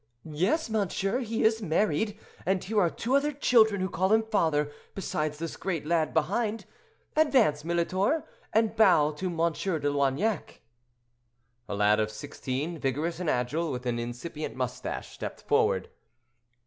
"Yes, monsieur, he is married, and here are two other children who call him father, besides this great lad behind. Advance, Militor, and bow to M. de Loignac." A lad of sixteen, vigorous and agile, with an incipient mustache, stepped forward.